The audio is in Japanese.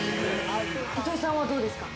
糸井さんはどうですか？